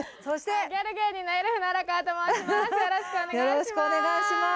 よろしくお願いします。